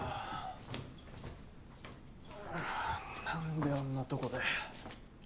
何であんなとこで。